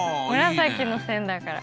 紫の線だから。